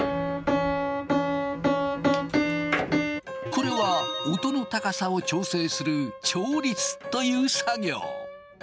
これは音の高さを調整する調律という作業。